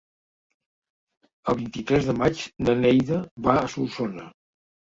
El vint-i-tres de maig na Neida va a Solsona.